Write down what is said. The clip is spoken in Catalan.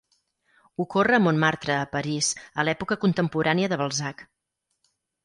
Ocorre a Montmartre, a París, a l'època contemporània de Balzac.